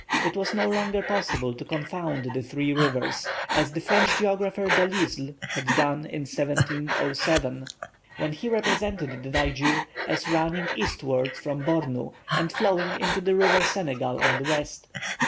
It was no longer possible to confound the three rivers, as the French geographer Delisle had done, in 1707, when he represented the Niger as running eastward from Bornu, and flowing into the river Senegal on the west.